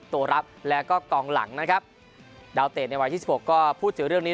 ตัวรับแล้วก็กองหลังนะครับดาวเตะในวัยยี่สิบหกก็พูดถึงเรื่องนี้